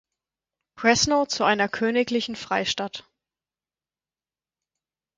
Brezno zu einer königlichen Freistadt.